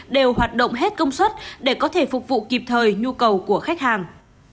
đều hoạt động hết công suất để có thể phục vụ kịp thời nhu cầu của khách hàng